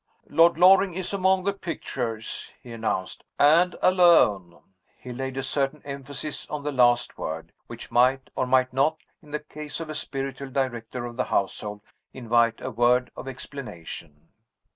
"Lord Loring is among the pictures," he announced. "And alone." He laid a certain emphasis on the last word, which might or might not (in the case of a spiritual director of the household) invite a word of explanation.